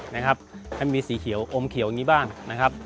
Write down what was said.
ให้มันมีสีโอมเขียวอย่างนี้บ้าง